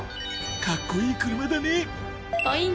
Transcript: かっこいい車だね！